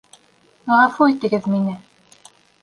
Ғәфү итегеҙ мине.